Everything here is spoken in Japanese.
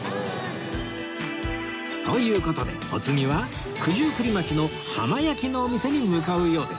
という事でお次は九十九里町の浜焼きのお店に向かうようです